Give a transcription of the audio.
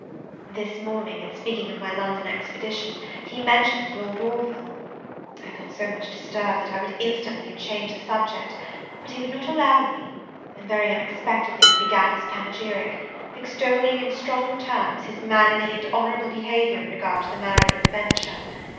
This morning, in speaking of my London expedition he mentioned Lord Orville. I felt so much disturbed, that I would instantly have changed the subject; but he would not allow me, and, very unexpectedly, he began his panegyric; extolling in strong terms, his manly and honourable behaviour in regard to the Marybone adventure.